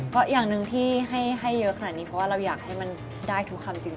เพราะอย่างหนึ่งที่ให้เยอะขนาดนี้เพราะว่าเราอยากให้มันได้ทุกคำจริง